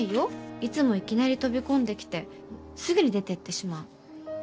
いつもいきなり飛び込んできてすぐに出てってしまう。